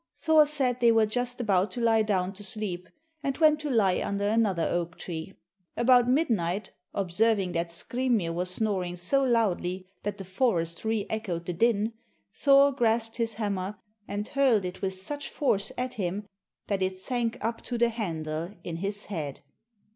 Thor said they were just about to lie down to sleep, and went to lie under another oak tree. About midnight, observing that Skrymir was snoring so loudly that the forest re echoed the din, Thor grasped his hammer and hurled it with such force at him that it sank up to the handle in his head.